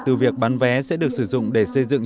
từ việc bán vé sẽ được sử dụng để xây dựng